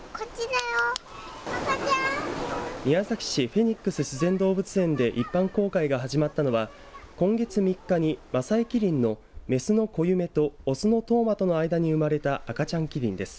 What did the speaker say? フェニックス自然動物園で一般公開が始まったのは今月３日にマサイキリンのメスのコユメとオスの冬真との間に生まれた赤ちゃんキリンです。